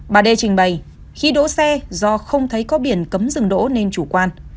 bà d trình bày khi đỗ xe do không thấy có biển cấm dừng đỗ nên chủ quan